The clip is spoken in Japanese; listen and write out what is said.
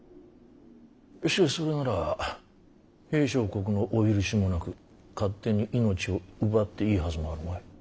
しかしそれなら平相国のお許しもなく勝手に命を奪っていいはずもあるまい。